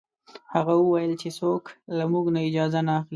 هغه وویل چې څوک له موږ نه اجازه نه اخلي.